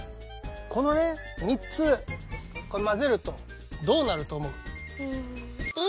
この３つこれ混ぜるとどうなると思う？